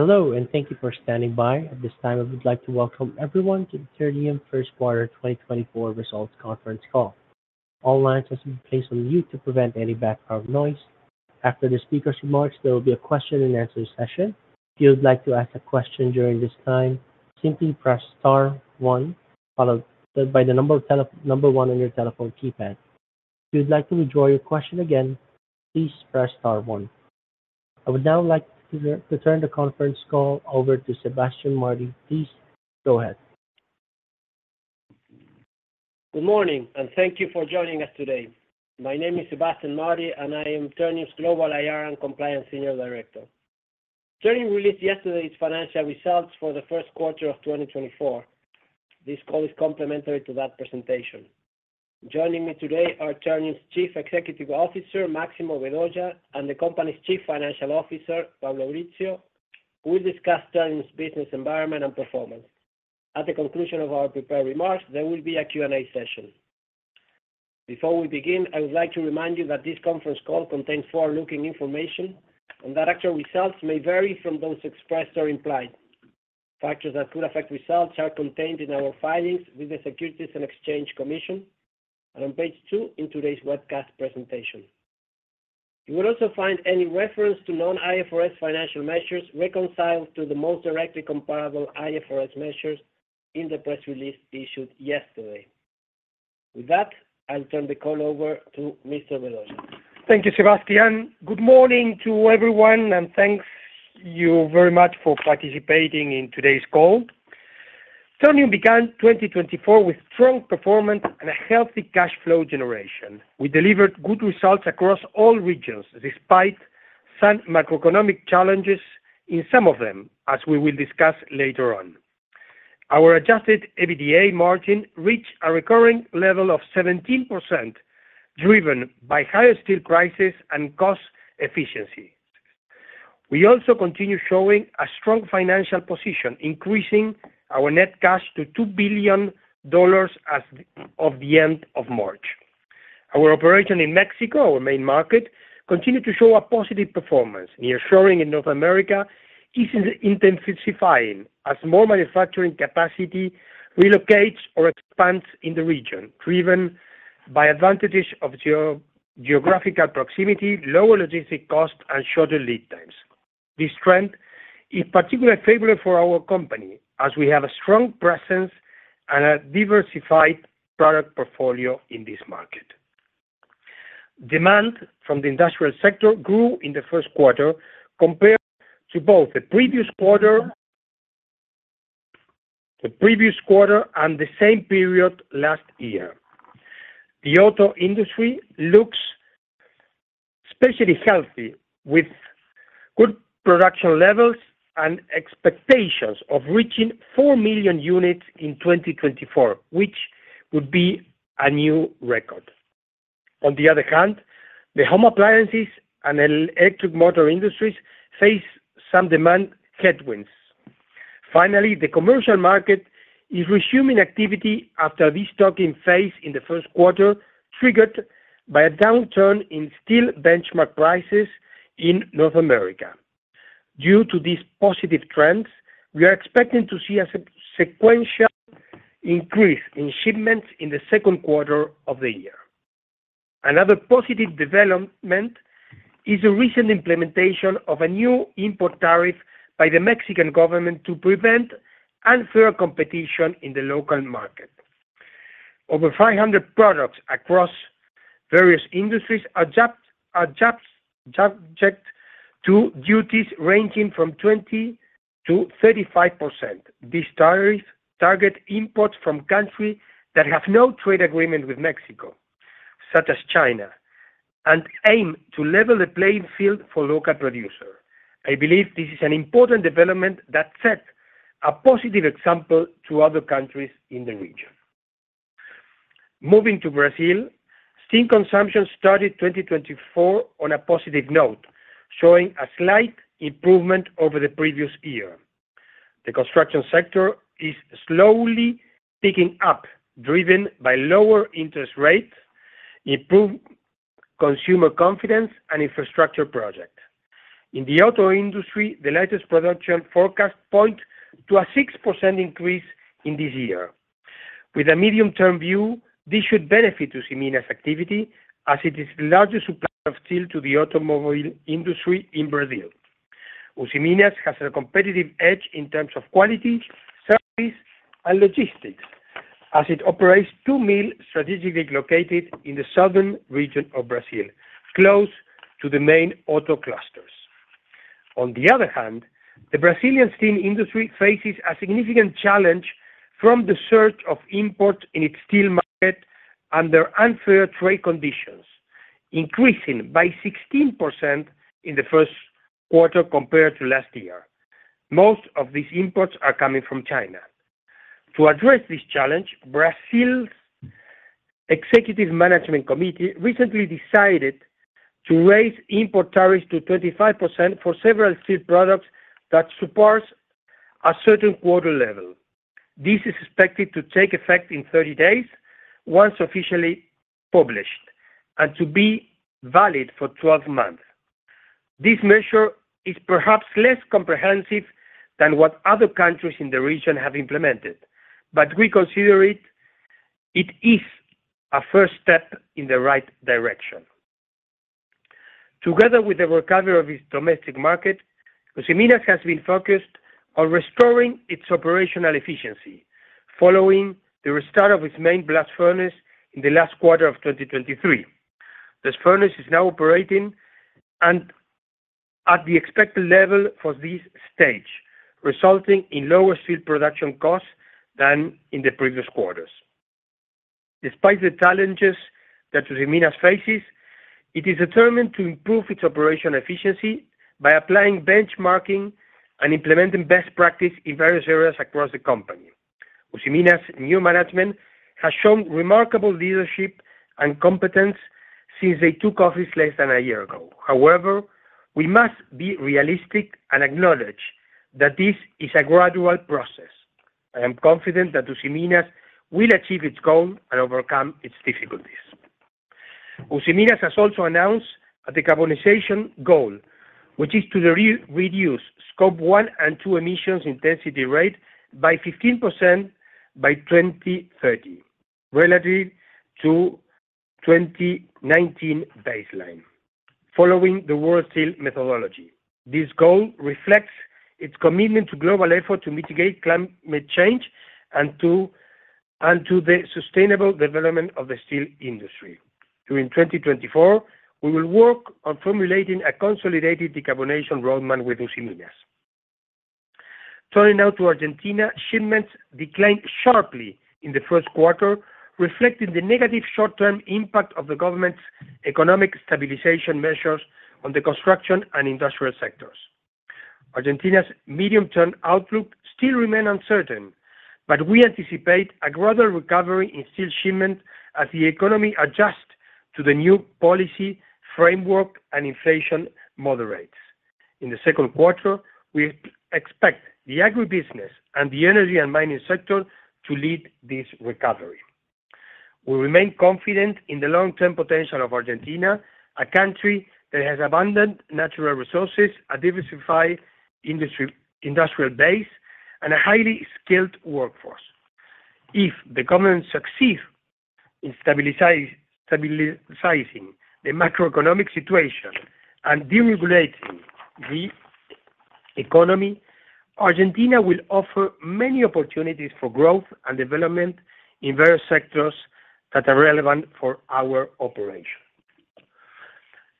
Hello, and thank you for standing by. At this time, I would like to welcome everyone to the Ternium First Quarter 2024 Results Conference call. All lines have been placed on mute to prevent any background noise. After the speaker's remarks, there will be a question-and-answer session. If you would like to ask a question during this time, simply press star one followed by the number one on your telephone keypad. If you would like to withdraw your question again, please press star one. I would now like to turn the conference call over to Sebastián Martí. Please go ahead. Good morning, and thank you for joining us today. My name is Sebastián Martí, and I am Ternium's Global IR and Compliance Senior Director. Ternium released yesterday's financial results for the first quarter of 2024. This call is complementary to that presentation. Joining me today are Ternium's Chief Executive Officer, Máximo Vedoya, and the company's Chief Financial Officer, Pablo Brizzio, who will discuss Ternium's business environment and performance. At the conclusion of our prepared remarks, there will be a Q&A session. Before we begin, I would like to remind you that this conference call contains forward-looking information and that actual results may vary from those expressed or implied. Factors that could affect results are contained in our filings with the Securities and Exchange Commission and on page 2 in today's webcast presentation. You will also find any reference to non-IFRS financial measures reconciled to the most directly comparable IFRS measures in the press release issued yesterday. With that, I'll turn the call over to Mr. Vedoya. Thank you, Sebastián. Good morning to everyone, and thank you very much for participating in today's call. Ternium began 2024 with strong performance and a healthy cash flow generation. We delivered good results across all regions despite some macroeconomic challenges in some of them, as we will discuss later on. Our Adjusted EBITDA margin reached a recurring level of 17% driven by higher steel prices and cost efficiency. We also continue showing a strong financial position, increasing our net cash to $2 billion as of the end of March. Our operation in Mexico, our main market, continued to show a positive performance, and near-shoring in North America is intensifying as more manufacturing capacity relocates or expands in the region, driven by advantages of geographical proximity, lower logistical costs, and shorter lead times. This trend is particularly favorable for our company as we have a strong presence and a diversified product portfolio in this market. Demand from the industrial sector grew in the first quarter compared to both the previous quarter and the same period last year. The auto industry looks especially healthy, with good production levels and expectations of reaching 4 million units in 2024, which would be a new record. On the other hand, the home appliances and electric motor industries face some demand headwinds. Finally, the commercial market is resuming activity after destocking phase in the first quarter triggered by a downturn in steel benchmark prices in North America. Due to these positive trends, we are expecting to see a sequential increase in shipments in the second quarter of the year. Another positive development is the recent implementation of a new import tariff by the Mexican government to prevent unfair competition in the local market. Over 500 products across various industries are subject to duties ranging from 20%-35%. This tariff targets imports from countries that have no trade agreement with Mexico, such as China, and aims to level the playing field for local producers. I believe this is an important development that sets a positive example to other countries in the region. Moving to Brazil, steel consumption started 2024 on a positive note, showing a slight improvement over the previous year. The construction sector is slowly picking up, driven by lower interest rates, improved consumer confidence, and infrastructure projects. In the auto industry, the latest production forecasts point to a 6% increase in this year. With a medium-term view, this should benefit Usiminas activity as it is the largest supplier of steel to the automobile industry in Brazil. Usiminas has a competitive edge in terms of quality, service, and logistics as it operates two mills strategically located in the Southern Region of Brazil, close to the main auto clusters. On the other hand, the Brazilian steel industry faces a significant challenge from the surge of imports in its steel market under unfair trade conditions, increasing by 16% in the first quarter compared to last year. Most of these imports are coming from China. To address this challenge, Brazil's Executive Management Committee recently decided to raise import tariffs to 25% for several steel products that support a certain quarter level. This is expected to take effect in 30 days once officially published and to be valid for 12 months. This measure is perhaps less comprehensive than what other countries in the region have implemented, but we consider it a first step in the right direction. Together with the recovery of its domestic market, Usiminas has been focused on restoring its operational efficiency following the restart of its main blast furnace in the last quarter of 2023. This furnace is now operating at the expected level for this stage, resulting in lower steel production costs than in the previous quarters. Despite the challenges that Usiminas faces, it is determined to improve its operational efficiency by applying benchmarking and implementing best practices in various areas across the company. Usiminas' new management has shown remarkable leadership and competence since they took office less than a year ago. However, we must be realistic and acknowledge that this is a gradual process. I am confident that Usiminas will achieve its goal and overcome its difficulties. Usiminas has also announced a decarbonization goal, which is to reduce Scope 1 and 2 emissions intensity rate by 15% by 2030 relative to 2019 baseline, following the World Steel Methodology. This goal reflects its commitment to global efforts to mitigate climate change and to the sustainable development of the steel industry. During 2024, we will work on formulating a consolidated decarbonization roadmap with Usiminas. Turning now to Argentina, shipments declined sharply in the first quarter, reflecting the negative short-term impact of the government's economic stabilization measures on the construction and industrial sectors. Argentina's medium-term outlook still remains uncertain, but we anticipate a gradual recovery in steel shipments as the economy adjusts to the new policy framework and inflation moderates. In the second quarter, we expect the agribusiness and the energy and mining sector to lead this recovery. We remain confident in the long-term potential of Argentina, a country that has abundant natural resources, a diversified industrial base, and a highly skilled workforce. If the government succeeds in stabilizing the macroeconomic situation and deregulating the economy, Argentina will offer many opportunities for growth and development in various sectors that are relevant for our operation.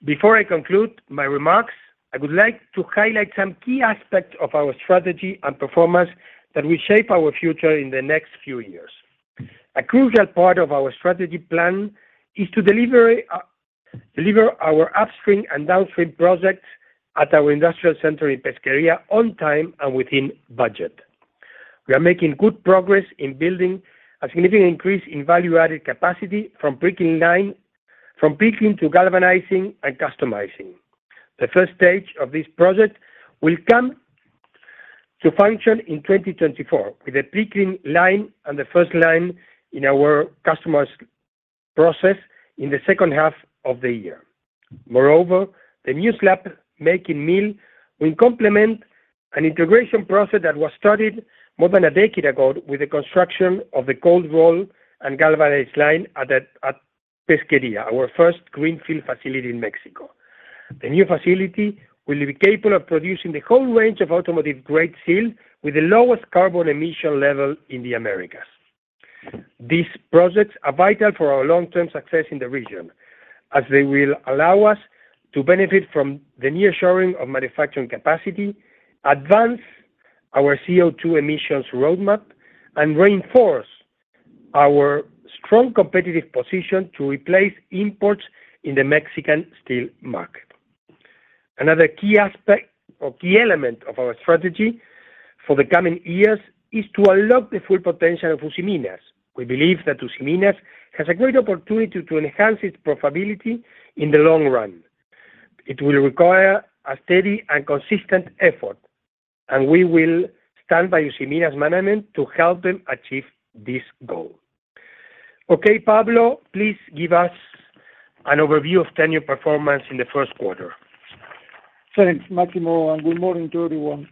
Before I conclude my remarks, I would like to highlight some key aspects of our strategy and performance that will shape our future in the next few years. A crucial part of our strategy plan is to deliver our upstream and downstream projects at our industrial center in Pesquería on time and within budget. We are making good progress in building a significant increase in value-added capacity from pickling line from pickling to galvanizing and customizing. The first stage of this project will come to function in 2024 with the pickling line and the first line in our customers' process in the second half of the year. Moreover, the new slab making mill will complement an integration process that was started more than a decade ago with the construction of the cold roll and galvanized line at Pesquería, our first greenfield facility in Mexico. The new facility will be capable of producing the whole range of automotive grade steel with the lowest carbon emission level in the Americas. These projects are vital for our long-term success in the region as they will allow us to benefit from the near-shoring of manufacturing capacity, advance our CO2 emissions roadmap, and reinforce our strong competitive position to replace imports in the Mexican steel market. Another key aspect or key element of our strategy for the coming years is to unlock the full potential of Usiminas. We believe that Usiminas has a great opportunity to enhance its profitability in the long run. It will require a steady and consistent effort, and we will stand by Usiminas' management to help them achieve this goal. Okay, Pablo, please give us an overview of Ternium performance in the first quarter. Thanks, Máximo, and good morning to everyone.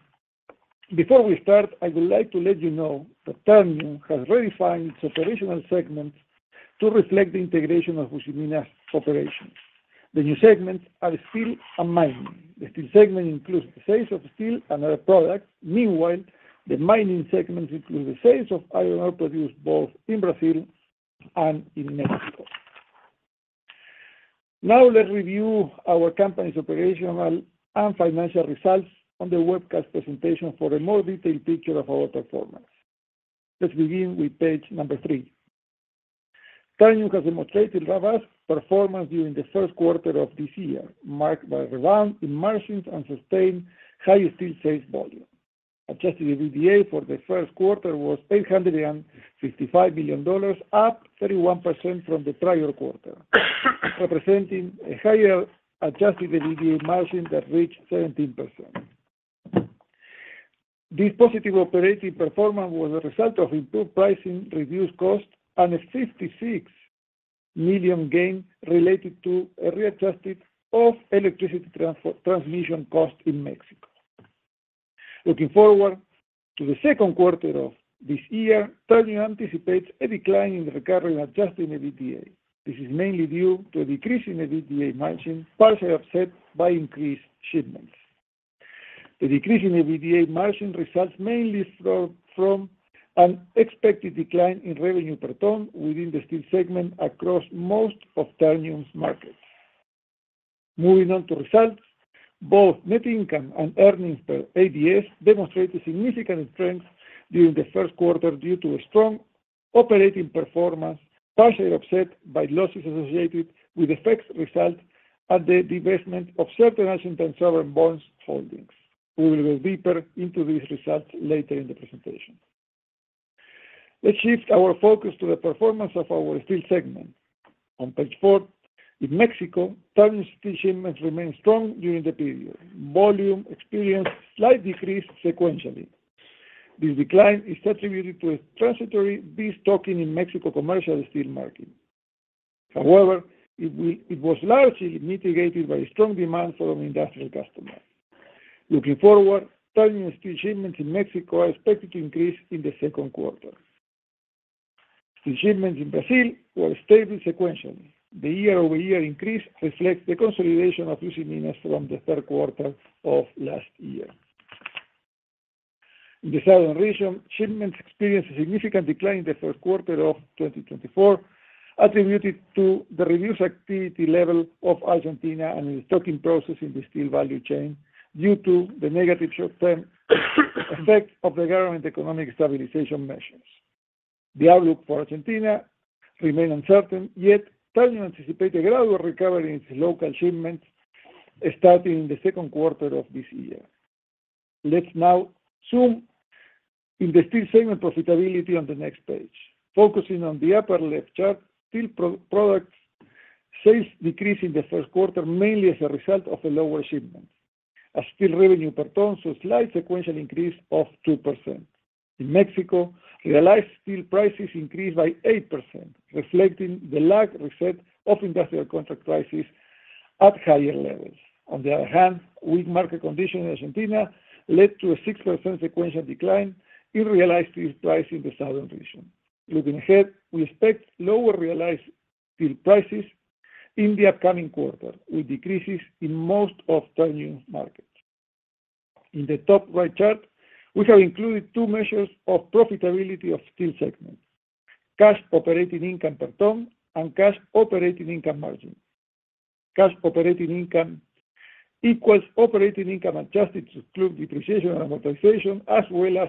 Before we start, I would like to let you know that Ternium has redefined its operational segments to reflect the integration of Usiminas' operations. The new segments are steel and mining. The steel segment includes the sales of steel and other products. Meanwhile, the mining segments include the sales of iron ore produced both in Brazil and in Mexico. Now, let's review our company's operational and financial results on the webcast presentation for a more detailed picture of our performance. Let's begin with page 3. Ternium has demonstrated robust performance during the first quarter of this year, marked by a rebound in margins and sustained high steel sales volume. Adjusted EBITDA for the first quarter was $855 million, up 31% from the prior quarter, representing a higher adjusted EBITDA margin that reached 17%. This positive operating performance was a result of improved pricing, reduced costs, and a $56 million gain related to a readjustment of electricity transmission costs in Mexico. Looking forward to the second quarter of this year, Ternium anticipates a decline in adjusted EBITDA. This is mainly due to a decrease in EBITDA margin partially offset by increased shipments. The decrease in EBITDA margin results mainly from an expected decline in revenue per ton within the steel segment across most of Ternium's markets. Moving on to results, both net income and earnings per ADS demonstrated significant strength during the first quarter due to a strong operating performance partially offset by losses associated with effects resulting from the divestment of certain Argentine sovereign bond holdings. We will go deeper into these results later in the presentation. Let's shift our focus to the performance of our steel segment. On page 4, in Mexico, Ternium's steel shipments remained strong during the period. Volume experienced a slight decrease sequentially. This decline is attributed to a transitory destocking in Mexico's commercial steel market. However, it was largely mitigated by strong demand from industrial customers. Looking forward, Ternium's steel shipments in Mexico are expected to increase in the second quarter. Steel shipments in Brazil were stable sequentially. The year-over-year increase reflects the consolidation of Usiminas from the third quarter of last year. In the Southern Region, shipments experienced a significant decline in the first quarter of 2024, attributed to the reduced activity level of Argentina and the destocking process in the steel value chain due to the negative short-term effect of the government economic stabilization measures. The outlook for Argentina remains uncertain, yet Ternium anticipates a gradual recovery in its local shipments starting in the second quarter of this year. Let's now zoom in on the steel segment profitability on the next page, focusing on the upper left chart. Steel products sales decreased in the first quarter mainly as a result of a lower shipment, as steel revenue per ton saw a slight sequential increase of 2%. In Mexico, realized steel prices increased by 8%, reflecting the lag reset of industrial contract prices at higher levels. On the other hand, weak market conditions in Argentina led to a 6% sequential decline in realized steel prices in the southern region. Looking ahead, we expect lower realized steel prices in the upcoming quarter with decreases in most of Ternium's markets. In the top right chart, we have included two measures of profitability of steel segments: cash operating income per ton and cash operating income margin. Cash operating income equals operating income adjusted to include depreciation and amortization, as well as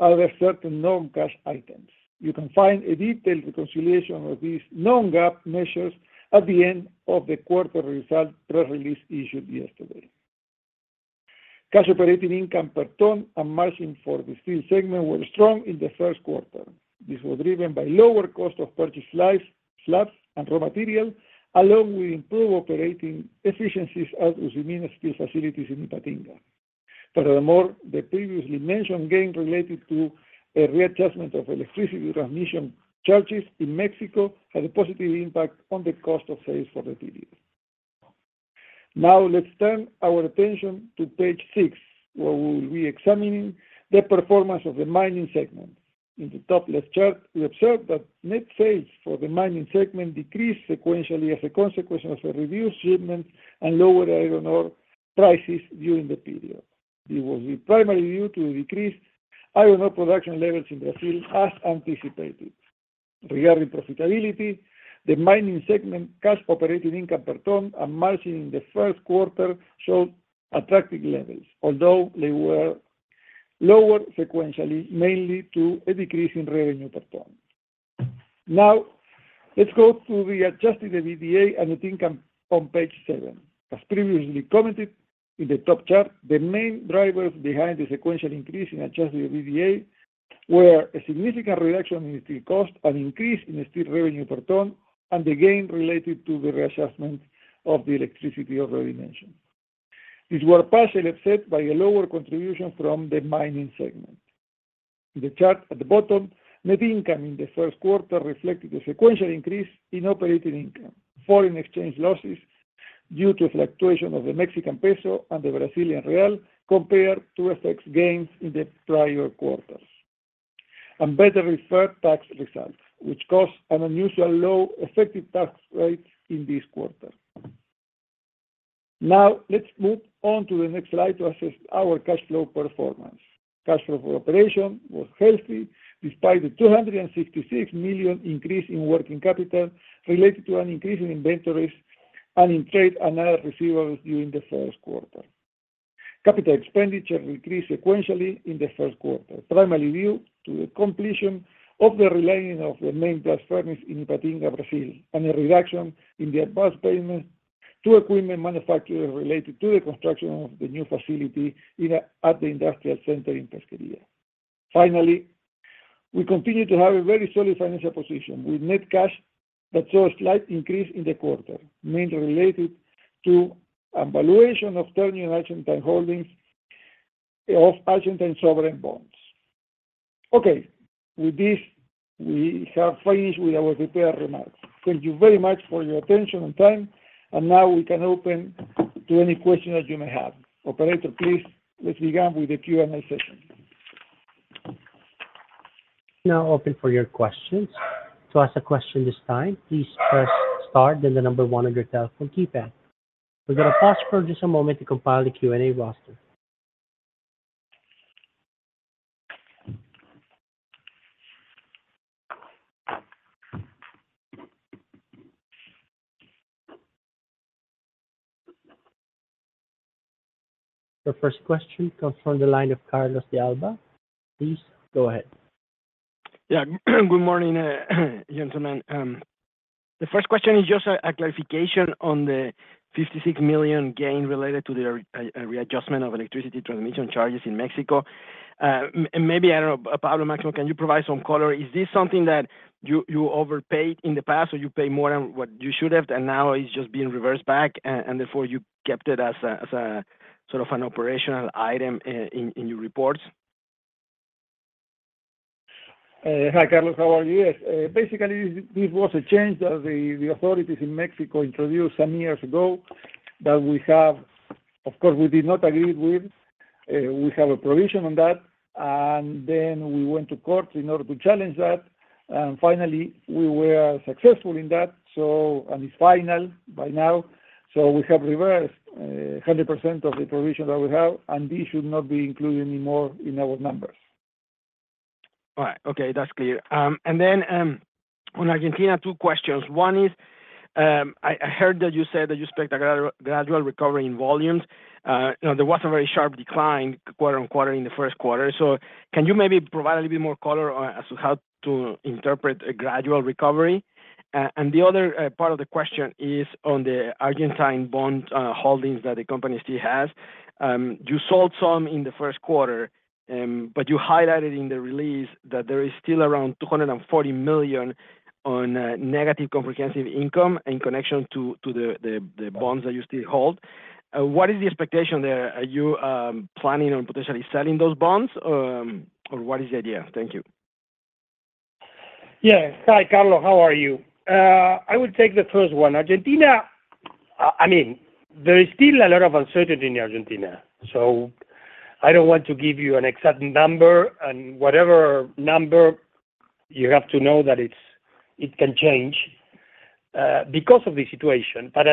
other certain non-cash items. You can find a detailed reconciliation of these non-GAAP measures at the end of the quarter result press release issued yesterday. Cash operating income per ton and margin for the steel segment were strong in the first quarter. This was driven by lower cost of purchase slabs and raw material, along with improved operating efficiencies at Usiminas steel facilities in Ipatinga. Furthermore, the previously mentioned gain related to a readjustment of electricity transmission charges in Mexico had a positive impact on the cost of sales for the period. Now, let's turn our attention to page 6, where we will be examining the performance of the mining segments. In the top left chart, we observe that net sales for the Mining segment decreased sequentially as a consequence of reduced shipments and lower iron ore prices during the period. This was primarily due to a decrease in iron ore production levels in Brazil as anticipated. Regarding profitability, the Mining segment Cash Operating Income per ton and margin in the first quarter showed attractive levels, although they were lower sequentially, mainly due to a decrease in revenue per ton. Now, let's go to the Adjusted EBITDA and net income on page 7. As previously commented in the top chart, the main drivers behind the sequential increase in Adjusted EBITDA were a significant reduction in steel costs and increase in steel revenue per ton and the gain related to the readjustment of the electricity already mentioned. These were partially offset by a lower contribution from the Mining segment. In the chart at the bottom, net income in the first quarter reflected a sequential increase in operating income, foreign exchange losses due to fluctuation of the Mexican peso and the Brazilian real compared to FX gains in the prior quarters, and better deferred tax results, which caused an unusually low effective tax rate in this quarter. Now, let's move on to the next slide to assess our cash flow performance. Cash flow from operations was healthy despite the $266 million increase in working capital related to an increase in inventories and in trade and other receivables during the first quarter. Capital expenditures decreased sequentially in the first quarter, primarily due to the completion of the relining of the main blast furnace in Ipatinga, Brazil, and a reduction in the advance payments to equipment manufacturers related to the construction of the new facility at the industrial center in Pesquería. Finally, we continue to have a very solid financial position with net cash that saw a slight increase in the quarter, mainly related to evaluation of Ternium Argentine holdings of Argentine sovereign bonds. Okay, with this, we have finished with our prepared remarks. Thank you very much for your attention and time. Now we can open to any questions that you may have. Operator, please, let's begin with the Q&A session. Now open for your questions. To ask a question this time, please press star and the number one on your telephone keypad. We're going to pause for just a moment to compile the Q&A roster. The first question comes from the line of Carlos de Alba. Please go ahead. Yeah. Good morning, gentlemen. The first question is just a clarification on the $56 million gain related to the readjustment of electricity transmission charges in Mexico. Maybe, I don't know, Pablo, Máximo, can you provide some color? Is this something that you overpaid in the past or you pay more than what you should have, and now it's just being reversed back, and therefore you kept it as sort of an operational item in your reports? Hi, Carlos. How are you? Yes. Basically, this was a change that the authorities in Mexico introduced some years ago that we have, of course, we did not agree with. We have a provision on that, and then we went to court in order to challenge that. And finally, we were successful in that, and it's final by now. So we have reversed 100% of the provision that we have, and this should not be included anymore in our numbers. All right. Okay, that's clear. And then on Argentina, two questions. One is, I heard that you said that you expect a gradual recovery in volumes. There was a very sharp decline quarter-over-quarter in the first quarter. So can you maybe provide a little bit more color as to how to interpret a gradual recovery? And the other part of the question is on the Argentine bond holdings that the company still has. You sold some in the first quarter, but you highlighted in the release that there is still around $240 million on negative comprehensive income in connection to the bonds that you still hold. What is the expectation there? Are you planning on potentially selling those bonds, or what is the idea? Thank you. Yeah. Hi, Carlos. How are you? I would take the first one. Argentina, I mean, there is still a lot of uncertainty in Argentina. So I don't want to give you an exact number, and whatever number, you have to know that it can change because of the situation. But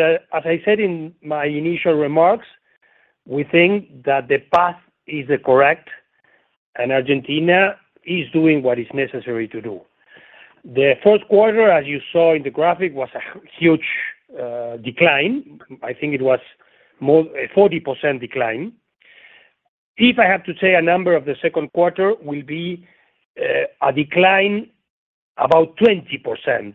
as I said in my initial remarks, we think that the path is the correct, and Argentina is doing what is necessary to do. The first quarter, as you saw in the graphic, was a huge decline. I think it was more a 40% decline. If I have to say a number of the second quarter, will be a decline about 20%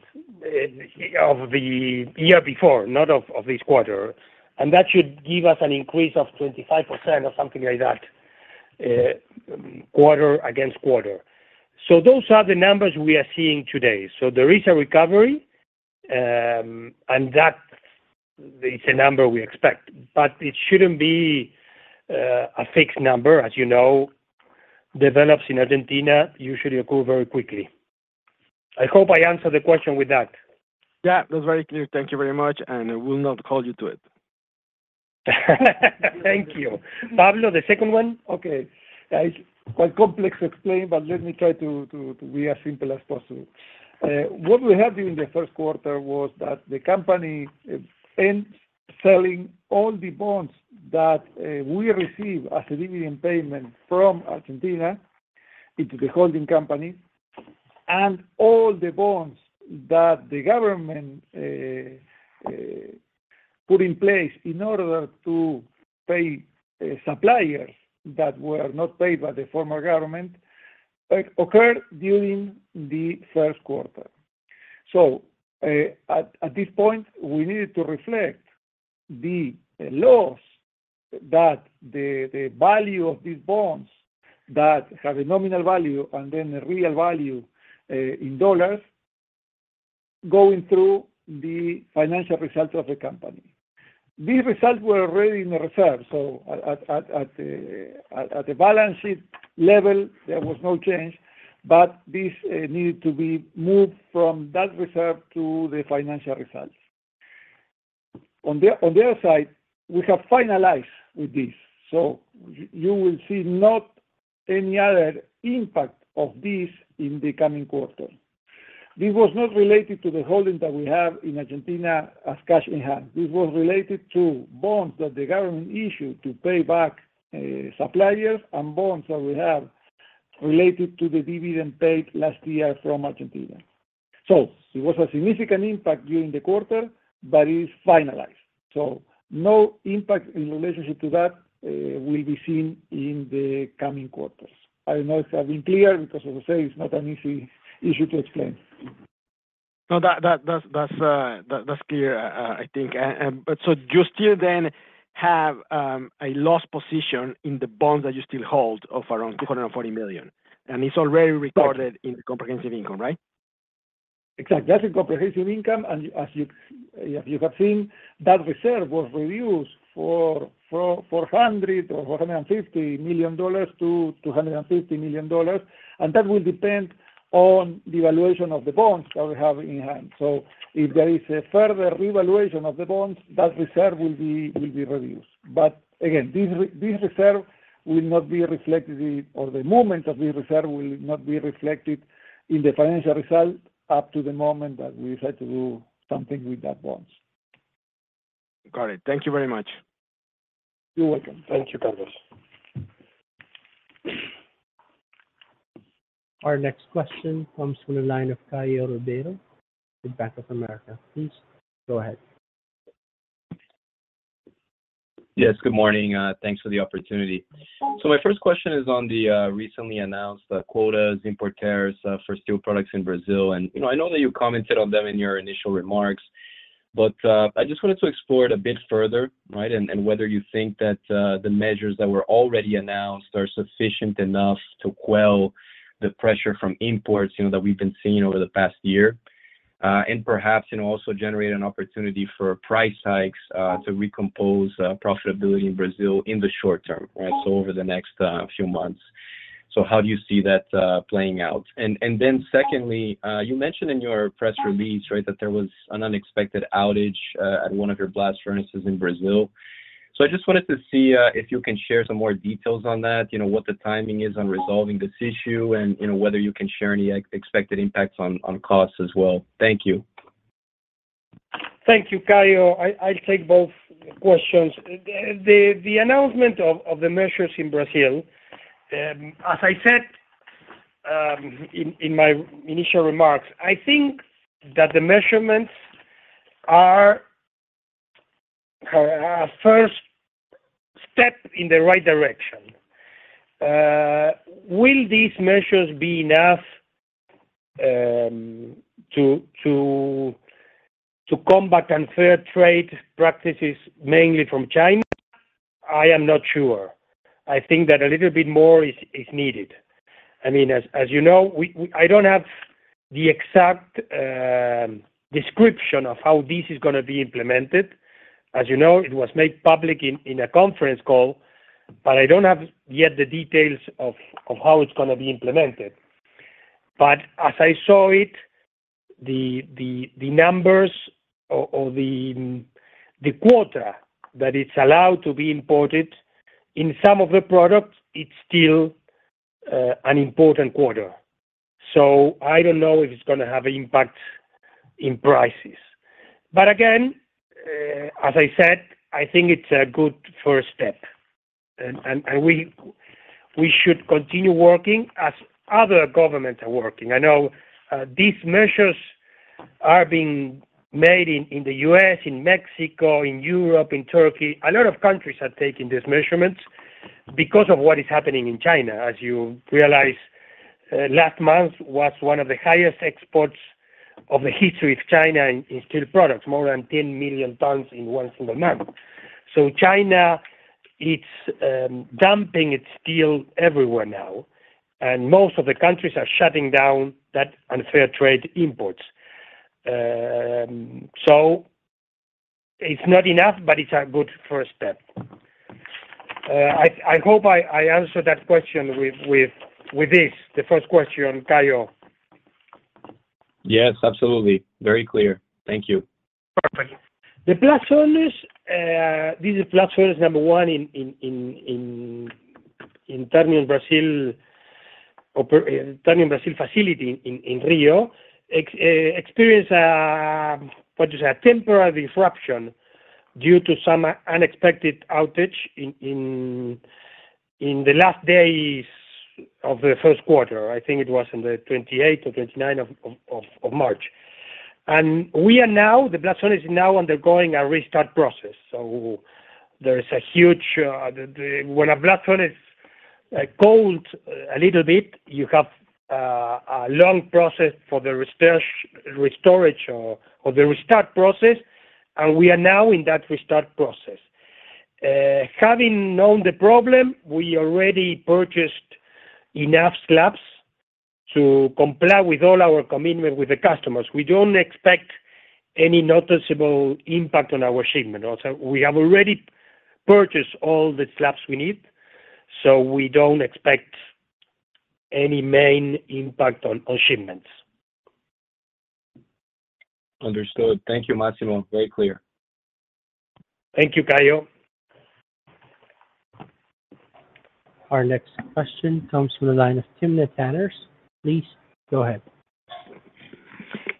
of the year before, not of this quarter. And that should give us an increase of 25% or something like that quarter against quarter. So those are the numbers we are seeing today. There is a recovery, and that is a number we expect. But it shouldn't be a fixed number. As you know, developments in Argentina usually occur very quickly. I hope I answered the question with that. Yeah, that's very clear. Thank you very much, and I will not call you to it. Thank you. Pablo, the second one? Okay. It's quite complex to explain, but let me try to be as simple as possible. What we had during the first quarter was that the company ends selling all the bonds that we receive as a dividend payment from Argentina into the holding companies and all the bonds that the government put in place in order to pay suppliers that were not paid by the former government occurred during the first quarter. So at this point, we needed to reflect the loss that the value of these bonds that have a nominal value and then a real value in dollars going through the financial result of the company. These results were already in the reserve. So at the balance sheet level, there was no change, but this needed to be moved from that reserve to the financial results. On the other side, we have finalized with this, so you will see not any other impact of this in the coming quarter. This was not related to the holding that we have in Argentina as cash in hand. This was related to bonds that the government issued to pay back suppliers and bonds that we have related to the dividend paid last year from Argentina. So it was a significant impact during the quarter, but it is finalized. So no impact in relationship to that will be seen in the coming quarters. I don't know if I've been clear because, as I say, it's not an easy issue to explain. No, that's clear, I think. So you still then have a lost position in the bonds that you still hold of around $240 million, and it's already recorded in the comprehensive income, right? Exactly. That's in comprehensive income. As you have seen, that reserve was reduced from $450 million to $250 million, and that will depend on the evaluation of the bonds that we have in hand. So if there is a further revaluation of the bonds, that reserve will be reduced. But again, this reserve will not be reflected or the movement of this reserve will not be reflected in the financial result up to the moment that we decide to do something with those bonds. Got it. Thank you very much. You're welcome. Thank you, Carlos. Our next question comes from the line of Caio Ribeiro with Bank of America. Please go ahead. Yes. Good morning. Thanks for the opportunity. So my first question is on the recently announced quotas, import tariffs for steel products in Brazil. And I know that you commented on them in your initial remarks, but I just wanted to explore it a bit further, right, and whether you think that the measures that were already announced are sufficient enough to quell the pressure from imports that we've been seeing over the past year and perhaps also generate an opportunity for price hikes to recompose profitability in Brazil in the short term, right, so over the next few months. So how do you see that playing out? And then secondly, you mentioned in your press release, right, that there was an unexpected outage at one of your blast furnaces in Brazil. I just wanted to see if you can share some more details on that, what the timing is on resolving this issue, and whether you can share any expected impacts on costs as well. Thank you. Thank you, Caio. I'll take both questions. The announcement of the measures in Brazil, as I said in my initial remarks, I think that the measures are a first step in the right direction. Will these measures be enough to combat unfair trade practices, mainly from China? I am not sure. I think that a little bit more is needed. I mean, as you know, I don't have the exact description of how this is going to be implemented. As you know, it was made public in a conference call, but I don't have yet the details of how it's going to be implemented. But as I saw it, the numbers or the quota that it's allowed to be imported in some of the products, it's still an important quota. So I don't know if it's going to have an impact in prices. But again, as I said, I think it's a good first step, and we should continue working as other governments are working. I know these measures are being made in the U.S., in Mexico, in Europe, in Turkey. A lot of countries are taking these measurements because of what is happening in China. As you realize, last month was one of the highest exports of the history of China in steel products, more than 10 million tons in one single month. So China is dumping its steel everywhere now, and most of the countries are shutting down that unfair trade imports. So it's not enough, but it's a good first step. I hope I answered that question with this, the first question, Caio. Yes, absolutely. Very clear. Thank you. Perfect. This is blast furnace, number one, in Ternium Brazil facility in Rio, experienced, what you say, a temporary disruption due to some unexpected outage in the last days of the first quarter. I think it was on the 28th or 29th of March. The blast furnace is now undergoing a restart process. There is a huge when a blast furnace cools a little bit, you have a long process for the restoration or the restart process, and we are now in that restart process. Having known the problem, we already purchased enough slabs to comply with all our commitments with the customers. We don't expect any noticeable impact on our shipment. We have already purchased all the slabs we need, so we don't expect any main impact on shipments. Understood. Thank you, Máximo. Very clear. Thank you, Caio. Our next question comes from the line of Timna Tanners. Please go ahead.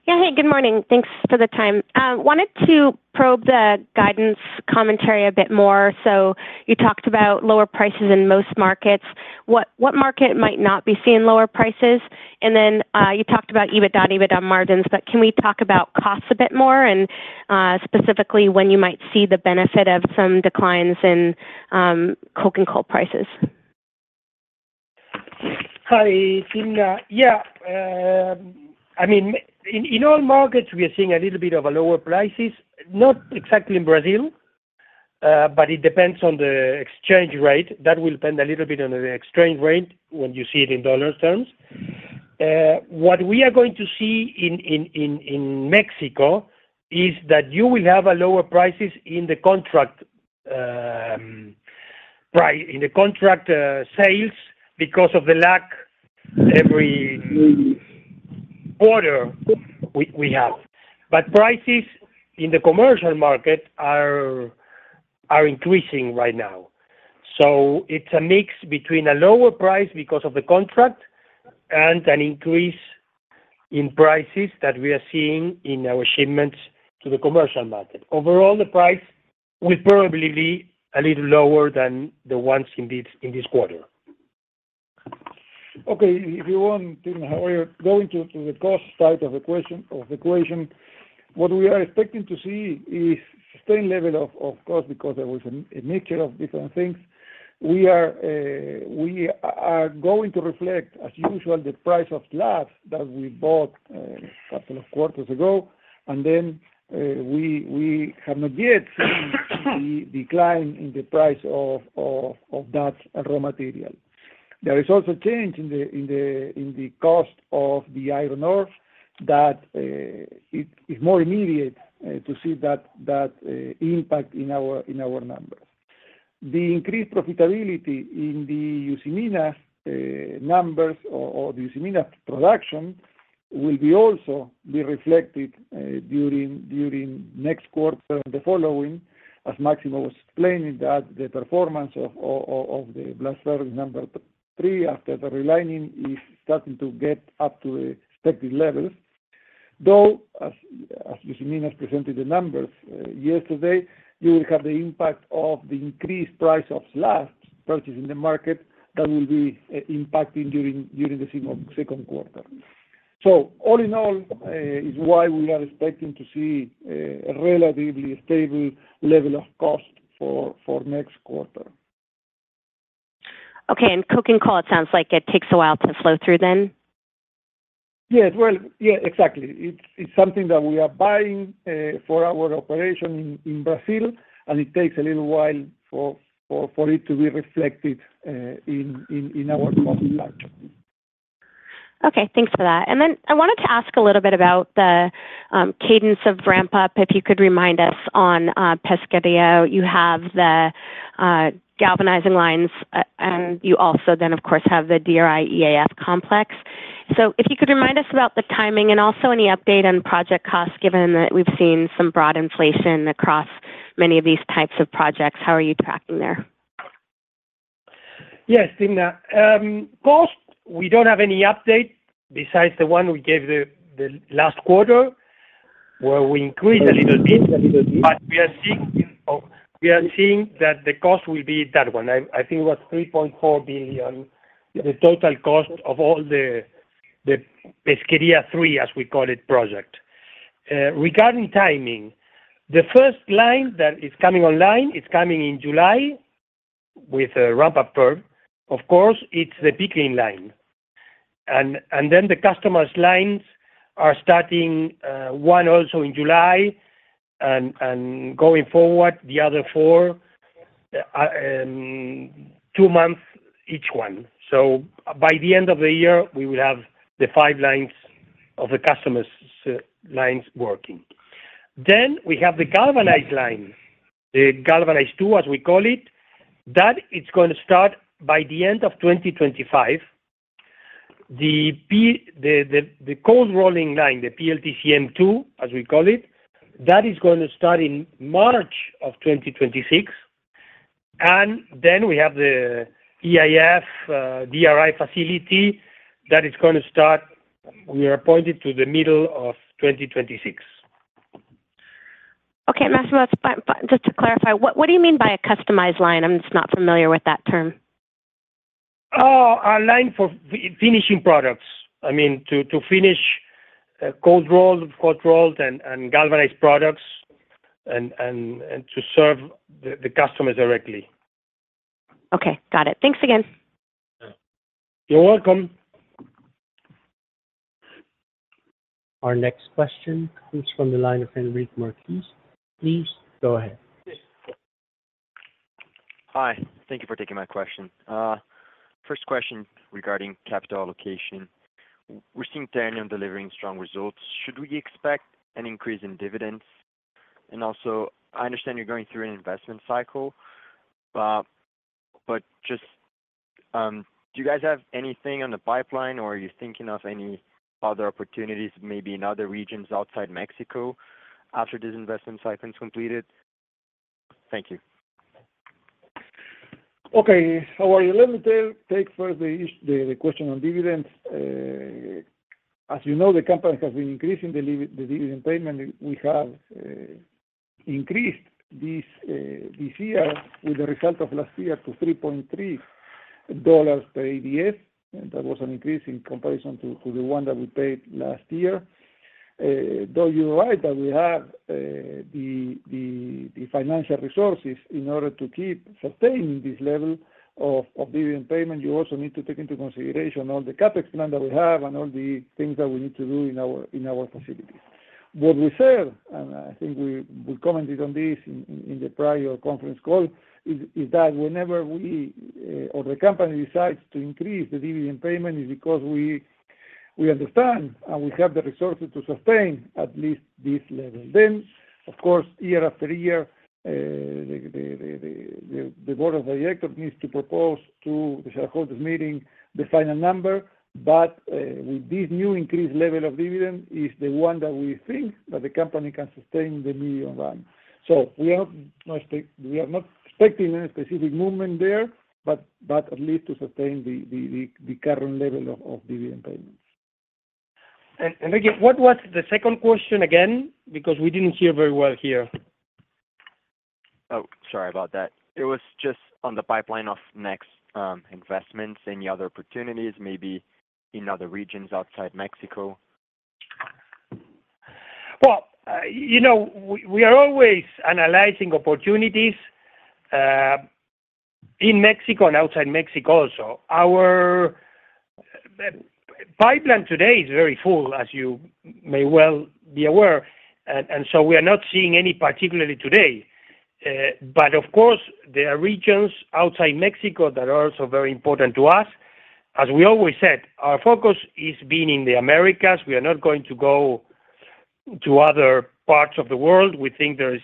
Yeah. Hey. Good morning. Thanks for the time. Wanted to probe the guidance commentary a bit more. So you talked about lower prices in most markets. What market might not be seeing lower prices? And then you talked about EBITDA, EBITDA margins. But can we talk about costs a bit more and specifically when you might see the benefit of some declines in coke and coal prices? Hi, Tim. Yeah. I mean, in all markets, we are seeing a little bit of lower prices, not exactly in Brazil, but it depends on the exchange rate. That will depend a little bit on the exchange rate when you see it in dollars terms. What we are going to see in Mexico is that you will have lower prices in the contract sales because of the lack every quarter we have. But prices in the commercial market are increasing right now. So it's a mix between a lower price because of the contract and an increase in prices that we are seeing in our shipments to the commercial market. Overall, the price will probably be a little lower than the ones in this quarter. Okay. If you want, Tim, how are you going to the cost side of the equation? What we are expecting to see is sustained level of cost because there was a mixture of different things. We are going to reflect, as usual, the price of slabs that we bought a couple of quarters ago, and then we have not yet seen the decline in the price of that raw material. There is also a change in the cost of the iron ore that it's more immediate to see that impact in our numbers. The increased profitability in the Usiminas numbers or the Usiminas production will also be reflected during next quarter and the following. As Máximo was explaining, the performance of the blast furnace number three after the relining is starting to get up to the expected levels. Though, as Usiminas has presented the numbers yesterday, you will have the impact of the increased price of slabs purchased in the market that will be impacting during the second quarter. So all in all is why we are expecting to see a relatively stable level of cost for next quarter. Okay. And coke and coal, it sounds like it takes a while to flow through then? Yes. Well, yeah, exactly. It's something that we are buying for our operation in Brazil, and it takes a little while for it to be reflected in our cost structure. Okay. Thanks for that. Then I wanted to ask a little bit about the cadence of ramp-up, if you could remind us. On Pesquería, you have the galvanizing lines, and you also then, of course, have the DRI EAF complex. So if you could remind us about the timing and also any update on project costs, given that we've seen some broad inflation across many of these types of projects, how are you tracking there? Yes, Tim. Cost, we don't have any update besides the one we gave the last quarter where we increased a little bit, but we are seeing that the cost will be that one. I think it was $3.4 billion, the total cost of all the Pesquería III, as we call it, project. Regarding timing, the first line that is coming online, it's coming in July with a ramp-up curve. Of course, it's the pickling line. And then the customers' lines are starting one also in July and going forward, the other four, two months each one. So by the end of the year, we will have the five lines of the customers' lines working. Then we have the galvanized line, the galvanized II, as we call it. That is going to start by the end of 2025. The cold-rolling line, the PLTCM II, as we call it, that is going to start in March of 2026. Then we have the EAF DRI facility that is going to start. We are appointed to the middle of 2026. Okay. Máximo, just to clarify, what do you mean by a customized line? I'm just not familiar with that term. Oh, a line for finishing products. I mean, to finish cold-rolled and galvanized products and to serve the customers directly. Okay. Got it. Thanks again. You're welcome Our next question comes from Enrique [Surname] Hi. Thank you for taking my question. First question regarding capital allocation. We're seeing Ternium delivering strong results. Should we expect an increase in dividends? And also, I understand you're going through an investment cycle, but do you guys have anything on the pipeline, or are you thinking of any other opportunities, maybe in other regions outside Mexico after this investment cycle is completed? Thank you. Okay. How are you? Let me take first the question on dividends. As you know, the company has been increasing the dividend payment. We have increased this year with the result of last year to $3.3 per ADS. That was an increase in comparison to the one that we paid last year. Though you're right that we have the financial resources in order to keep sustaining this level of dividend payment, you also need to take into consideration all the CapEx plan that we have and all the things that we need to do in our facilities. What we said, and I think we commented on this in the prior conference call, is that whenever we or the company decides to increase the dividend payment is because we understand and we have the resources to sustain at least this level. Then, of course, year after year, the board of directors needs to propose to the shareholders' meeting the final number. But with this new increased level of dividend, it's the one that we think that the company can sustain the medium run. So we are not expecting any specific movement there, but at least to sustain the current level of dividend payments. Enrique, what was the second question again? Because we didn't hear very well here. Oh, sorry about that. It was just on the pipeline of next investments, any other opportunities, maybe in other regions outside Mexico? Well, we are always analyzing opportunities in Mexico and outside Mexico also. Our pipeline today is very full, as you may well be aware. And so we are not seeing any particular today. But of course, there are regions outside Mexico that are also very important to us. As we always said, our focus is being in the Americas. We are not going to go to other parts of the world. We think there is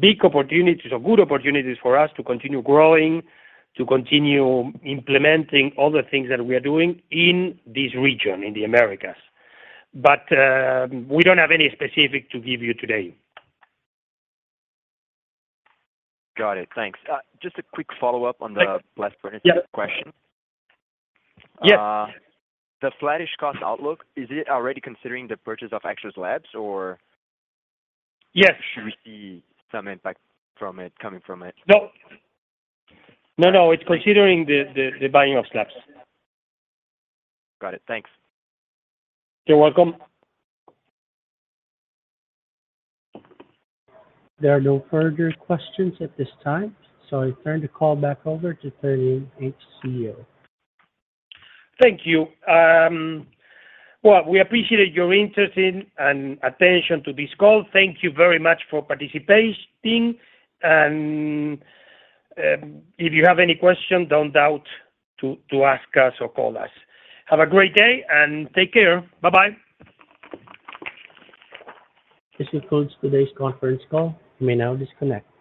big opportunities or good opportunities for us to continue growing, to continue implementing other things that we are doing in this region, in the Americas. But we don't have any specifics to give you today. Got it. Thanks. Just a quick follow-up on the blast furnace question. Yes. The flat-ish cost outlook, is it already considering the purchase of extra slabs, or should we see some impact coming from it? No. No, no. It's considering the buying of slabs. Got it. Thanks. You're welcome. There are no further questions at this time, so I turn the call back over to Ternium CEO. Thank you. Well, we appreciate your interest and attention to this call. Thank you very much for participating. If you have any question, don't doubt to ask us or call us. Have a great day, and take care. Bye-bye. This concludes today's conference call. You may now disconnect.